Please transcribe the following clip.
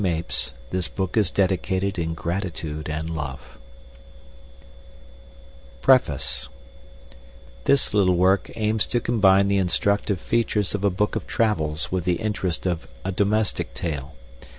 Mapes this book is dedicated in gratitude and love Preface This little work aims to combine the instructive features of a book of travels with the interest of a domestic tale.